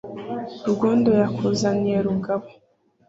rugondo yakuzaniye rugabo